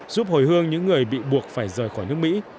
giúp hồi hương những người bị buộc phải rời khỏi nước mỹ